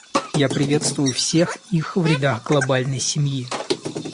Я приветствую всех их в рядах глобальной семьи.